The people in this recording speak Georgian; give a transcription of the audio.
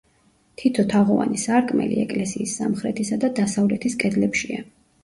თითო თაღოვანი სარკმელი ეკლესიის სამხრეთისა და დასავლეთის კედლებშია.